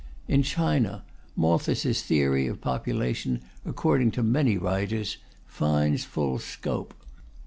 In China, Malthus's theory of population, according to many writers, finds full scope.